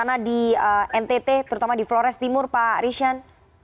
bagaimana di ntt terutama di flores timur pak rishan